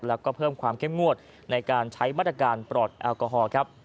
แล้วก็เพิ่มความเข้มงวดในการใช้มาตรการปลอดแอลกอฮอล์ครับ